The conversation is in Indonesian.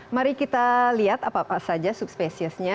mari kita lihat apa apa saja subspesiesnya